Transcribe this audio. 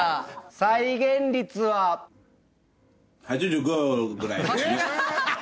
再現率は？８５ぐらい。